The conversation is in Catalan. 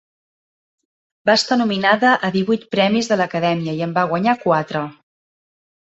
Va estar nominada a divuit Premis de l'Acadèmia i en va guanyar quatre.